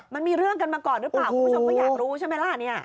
มันมีเรื่องกันมาก่อนหรือเปล่าคุณผู้ชมก็อยากรู้ใช่ไหมล่ะเนี่ย